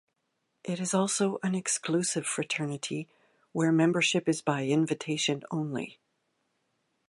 It is also an exclusive fraternity where membership is by invitation only.